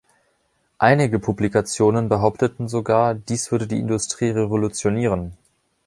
Einige Publikationen behaupteten sogar, dies würde die Industrie revolutionieren.